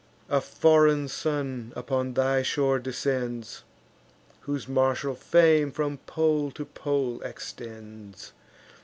A foreign son upon thy shore descends, Whose martial fame from pole to pole extends.